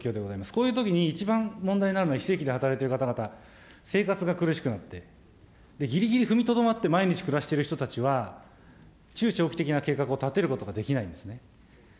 こういうときに一番問題になるのは非正規で働いてる方々、生活が苦しくなって、ぎりぎり踏みとどまって毎日暮らしている人たちは、中長期的な計画を立てることができないんですね。